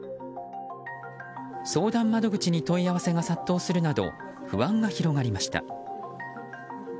相談窓口に問い合わせが殺到するなど不安が広がりました。